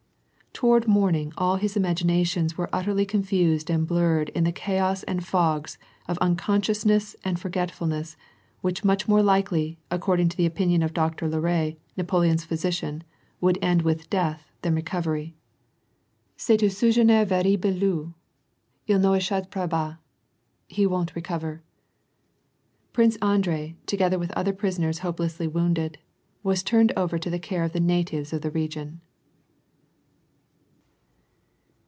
Toward morning all his imaginations were utterly confused and blurred in the chaos and fogs of unconsciousness and for getfolness which much more likely, according to the opinion of Doctor Larrey, Napoleon's physician, would end with death than recovery :" (Pegt un sujet nerveux et bileux, il rCen rechappera pas — he won't recover." Prince Andrei, together with other prisoners hopelessly wounded, was turned over to the care of the natives of the region.